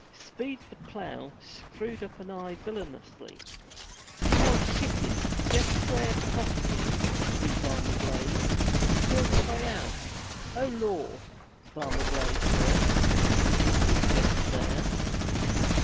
Speed the Plough screwed up an eye villainously. "He wants hittin' jest where the pocket is, do Varmer Blaize, and he'll cry out, 'O Lor,' Varmer Blaize will, if ye hit him jest there."